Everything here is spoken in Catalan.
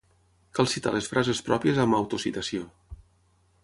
Cal citar les frases pròpies amb "autocitació".